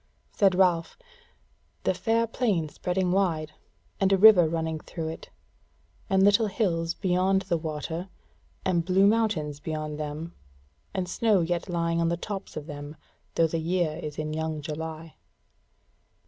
Said Ralph: "The fair plain spreading wide, and a river running through it, and little hills beyond the water, and blue mountains beyond them, and snow yet lying on the tops of them, though the year is in young July."